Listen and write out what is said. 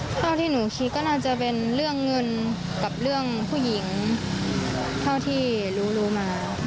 เท่าที่หนูคิดก็น่าจะเป็นเรื่องเงินกับเรื่องผู้หญิงเท่าที่รู้รู้มา